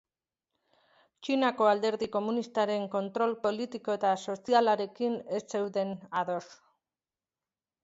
Txinako Alderdi Komunistaren kontrol politiko eta sozialarekin ez zeuden ados.